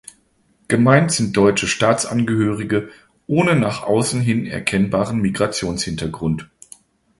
Gemeint sind deutsche Staatsangehörige ohne nach außen hin erkennbaren Migrationshintergrund.